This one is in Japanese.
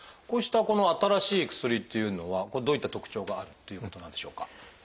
こうしたこの新しい薬っていうのはこれどういった特徴があるっていうことなんでしょうか？